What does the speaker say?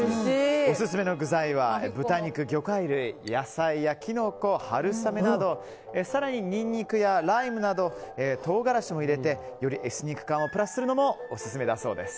オススメの具材は豚肉、魚介類野菜やキノコ春雨など更に、ニンニクやライムなど唐辛子も入れてよりエスニック感をプラスするのもオススメだそうです。